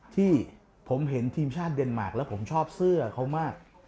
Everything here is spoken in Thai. ที่ผมเห็นทีมชาติเดนมาร์คแล้วผมชอบเสื้อเขามาก